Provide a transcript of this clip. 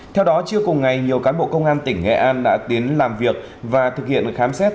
theo đó trưa cùng ngày nhiều cán bộ công an tỉnh nghệ an đã tiến làm việc và thực hiện khám xét